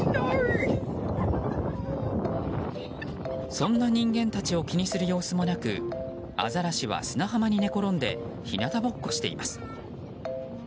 そんな人間たちを気にする様子もなくアザラシは砂浜に寝転んで日向ぼっこしています。